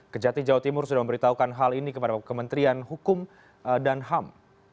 kejati jawa timur sudah memberitahukan hal ini kepada kementerian hukum dan ham